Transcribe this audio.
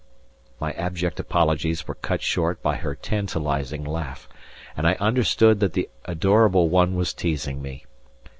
My abject apologies were cut short by her tantalizing laugh, and I understood that the adorable one was teasing me.